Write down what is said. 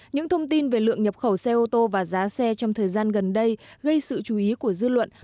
những thông tin về lượng nhập khẩu xe ô tô và giá xe trong thời gian gần đây gây sự chú ý của dư luận